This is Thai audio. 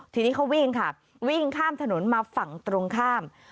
ทีนี้เขาวิ่งค่ะวิ่งข้ามถนนมาฝั่งตรงข้าม